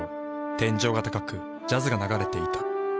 天井が高くジャズが流れていた。